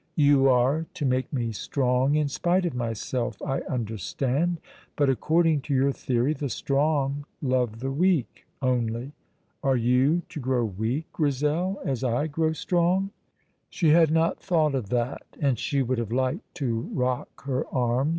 "You are to make me strong in spite of myself, I understand. But, according to your theory, the strong love the weak only. Are you to grow weak, Grizel, as I grow strong?" She had not thought of that, and she would have liked to rock her arms.